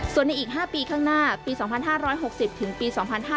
ส่วนในอีก๕ปีข้างหน้าปี๒๕๖๐ถึงปี๒๕๕๙